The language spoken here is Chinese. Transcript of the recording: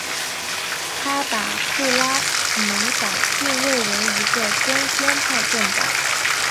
他把库拉努党定位为一个中间派政党。